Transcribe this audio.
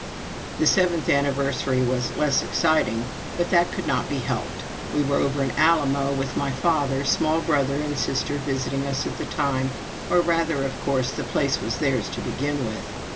The seventh anniversary was less exciting, but that could not be helped. We were over in Alamo, with my father, small brother, and sister visiting us at the time or rather, of course, the place was theirs to begin with.